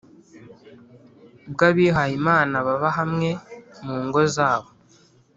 bw abihaye Imana baba hamwe mu ngo zabo